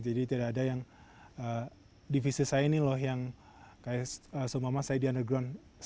jadi tidak ada yang divisi saya ini loh yang kayak sombama saya di underground